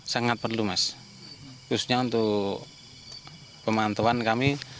sangat perlu mas khususnya untuk pemantauan kami